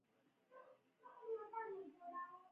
آ ښځې، واه ښځې، دا ځل یو شی په خپل بدن کې پټوم.